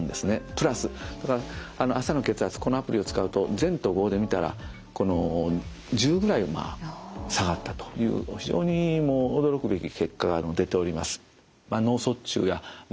プラス朝の血圧このアプリを使うと前と後で見たら１０ぐらい下がったという非常に驚くべき結果が出ております。